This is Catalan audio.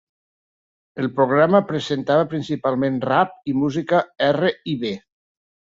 El programa presentava principalment rap i música R i B.